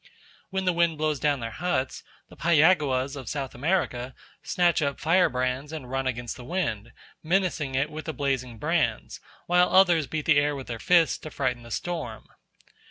When the wind blows down their huts, the Payaguas of South America snatch up firebrands and run against the wind, menacing it with the blazing brands, while others beat the air with their fists to frighten the storm.